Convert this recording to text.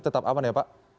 tetap aman ya pak